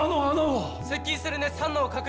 接近する熱反応を確認。